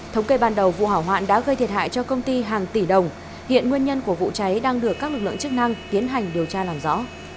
thống kê ban đầu vụ hỏa hoạn đã gây thiệt hại cho công ty hàng tỷ đồng hiện nguyên nhân của vụ cháy đang được các lực lượng chức năng tiến hành điều tra làm rõ